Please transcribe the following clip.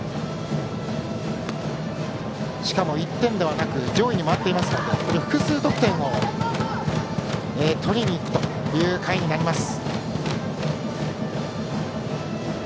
しかも１点ではなく上位に回っていますので複数得点を取りにいくという回になります。